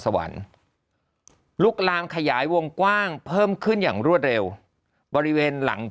สวรรค์ลุกลามขยายวงกว้างเพิ่มขึ้นอย่างรวดเร็วบริเวณหลัง